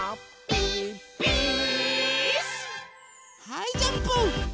はいジャンプ！